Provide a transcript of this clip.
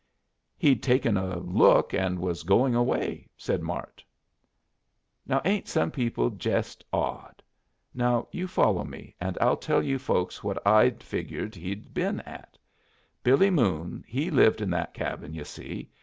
"He'd taken a look and was going away," said Mart. "Now ain't some people jest odd! Now you follow me, and I'll tell you folks what I'd figured he'd been at. Billy Moon he lived in that cabin, yu' see.